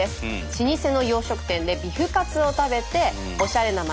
老舗の洋食店でビフカツを食べておしゃれな街